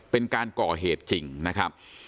เป็นการก่อเหตุจริงนะครับ